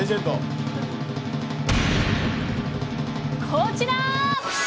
こちら！